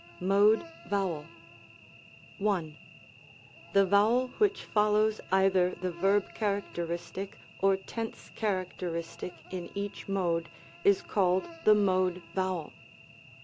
MODE VOWEL. 1. The vowel which follows either the verb char acteristic, or tense characteristic in each mode, is called the mode vowel.